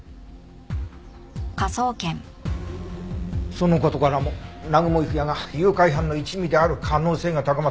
その事からも南雲郁也が誘拐犯の一味である可能性が高まった。